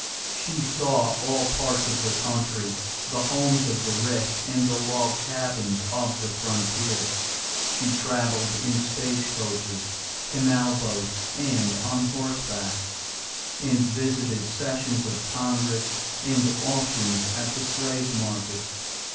She saw all parts of the country, the homes of the rich and the log cabins of the frontier; she traveled in stagecoaches, canal boats, and on horseback; and visited sessions of Congress and auctions at slave markets.